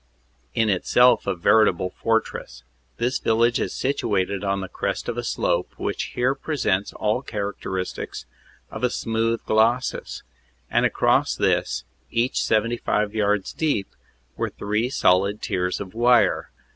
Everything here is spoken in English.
in itself a veritable fort ress. This village is situated on the crest of a slope, which here presents all the character of a smooth glacis, and across this, each 75 yards deep, were three solid tiers of wire.